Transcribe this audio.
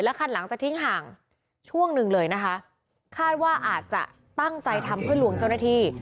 คันหลังจะทิ้งห่างช่วงหนึ่งเลยนะคะคาดว่าอาจจะตั้งใจทำเพื่อลวงเจ้าหน้าที่